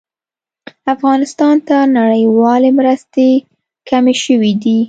افغانستان ته نړيوالې مرستې کمې شوې دي